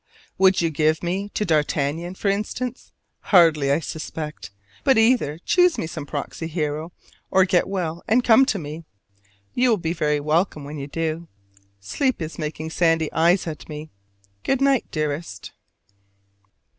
Would you give me to d'Artagnan for instance? Hardly, I suspect! But either choose me some proxy hero, or get well and come to me! You will be very welcome when you do. Sleep is making sandy eyes at me: good night, dearest.